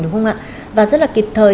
đúng không ạ và rất là kịp thời